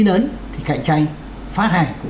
ý lớn cạnh tranh phát hành